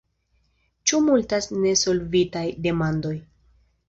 Ĉu multas nesolvitaj demandoj?